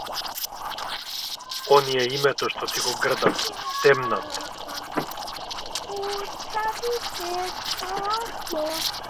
Оние името што ти го грдат, темнат.